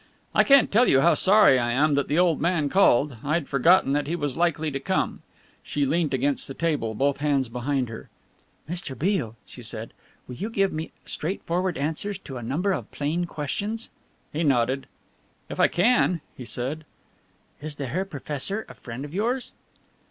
"I can't tell you how sorry I am that the old man called I'd forgotten that he was likely to come." She leant against the table, both hands behind her. "Mr. Beale," she said, "will you give me straightforward answers to a number of plain questions?" He nodded. "If I can," he said. "Is the Herr Professor a friend of yours?"